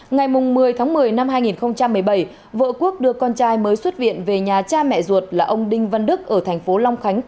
ngày một mươi tháng một mươi năm hai nghìn một mươi bảy vợ quốc đưa con trai mới xuất viện về nhà cha mẹ ruột là ông đinh văn đức ở thành phố long khánh